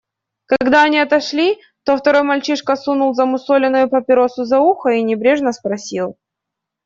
Когда они отошли, то второй мальчишка сунул замусоленную папиросу за ухо и небрежно спросил.